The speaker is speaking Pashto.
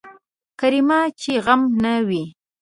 کرميه چې غم نه وي.